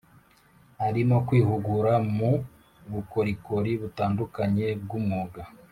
Arimo kwihugura mu bukorikori butandukanye bw umwuga